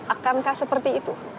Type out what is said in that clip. akankah seperti itu